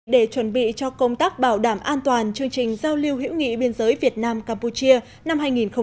để chuẩn bị cho công tác bảo đảm an toàn chương trình giao lưu hữu nghị biên giới việt nam campuchia năm hai nghìn một mươi chín